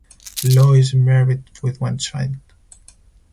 Loh is married with one child.